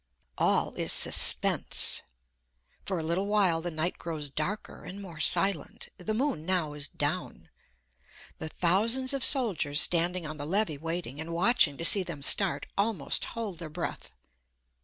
All is suspense. For a little while the night grows darker and more silent; the moon now is down. The thousands of soldiers standing on the levee waiting, and watching to see them start, almost hold their breath.